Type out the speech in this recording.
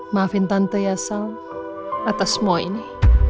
maafin tante ya sal atas semua ini